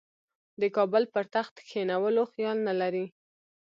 د کابل پر تخت کښېنولو خیال نه لري.